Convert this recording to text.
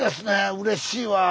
うれしいわ。